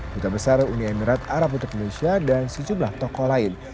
duta besar uni emirat arab untuk indonesia dan sejumlah tokoh lain